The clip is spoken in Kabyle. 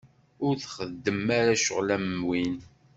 Ur txeddem ara ccɣel am win.